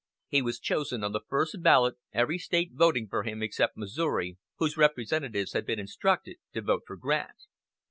He was chosen on the first ballot, every State voting for him except Missouri, whose representatives had been instructed to vote for Grant.